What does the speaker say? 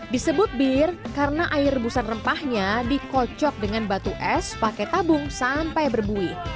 disebut bir karena air rebusan rempahnya dikocok dengan batu es pakai tabung sampai berbuih